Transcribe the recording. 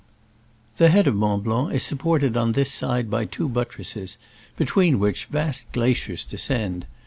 The head of Mont Blanc is supported on this side by two buttresses, between which vast glaciers descend.